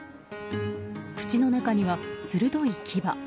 口の中には鋭い牙。